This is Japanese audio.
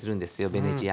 ベネチアに。